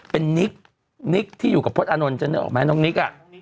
เป็นนิกนิกที่อยู่กับพจน์อานนท์จะเนื้อออกมั้ยน้องนิกอ่ะ